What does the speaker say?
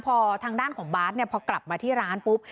พอทางด้านของบาทเนี่ยพอกลับมาที่ร้านปุ๊บ